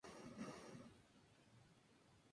Finalmente se establecería en Los Ángeles.